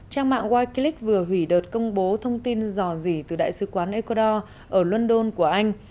trang mạng wikileaks vừa hủy đợt công bố thông tin rò rỉ từ đại sứ quán ecuador ở london của anh